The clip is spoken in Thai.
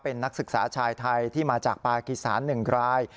เป็นนักศึกษาชายไทยที่มาจากปากีสาน๑ราย